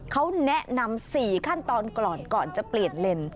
เขาแนะนำ๔ขั้นตอนก่อนก่อนจะเปลี่ยนเลน